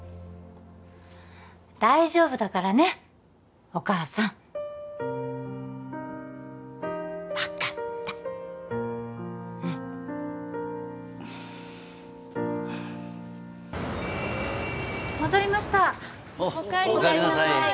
大丈夫だからねっお母さん分かったうん戻りましたお帰りなさい